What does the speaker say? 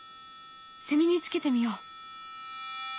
セミにつけてみよう。